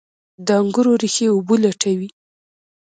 د انګورو ریښې اوبه لټوي.